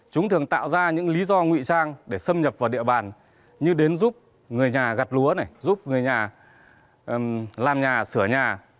chúng thường tạo ra những lý do ngụy trang để xâm nhập vào địa bàn như đến giúp người nhà gặt lúa này giúp người nhà làm nhà sửa nhà